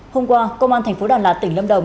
hôm qua công an tp đà lạt tỉnh lâm đồng